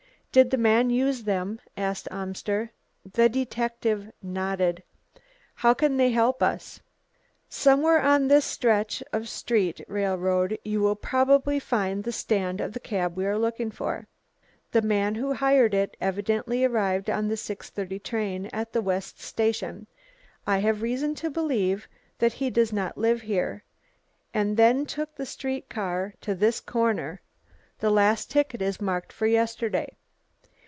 "Did the man use them?" asked Amster. The detective nodded. "How can they help us?" "Somewhere on this stretch of the street railroad you will probably find the stand of the cab we are looking for. The man who hired it evidently arrived on the 6:30 train at the West Station I have reason to believe that he does not live here, and then took the street car to this corner. The last ticket is marked for yesterday.